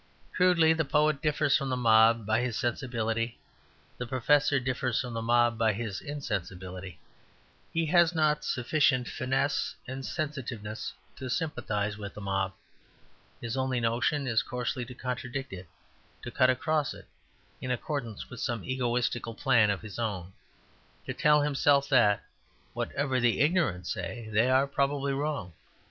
Crudely, the poet differs from the mob by his sensibility; the professor differs from the mob by his insensibility. He has not sufficient finesse and sensitiveness to sympathize with the mob. His only notion is coarsely to contradict it, to cut across it, in accordance with some egotistical plan of his own; to tell himself that, whatever the ignorant say, they are probably wrong.